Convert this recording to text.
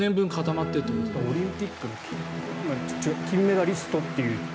オリンピックの金メダリストという。